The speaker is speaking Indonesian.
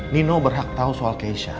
nino berhak tahu soal keisha